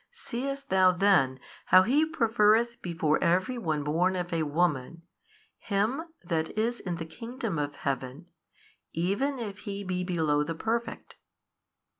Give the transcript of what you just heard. Seest thou then how He preferreth before every one born of a woman him that is in the kingdom of Heaven even if he be below the perfect?